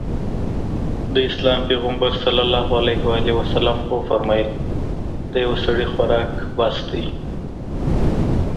د اسلام پيغمبر ص وفرمايل د يوه سړي خوراک بس دی.